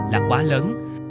là quá lớn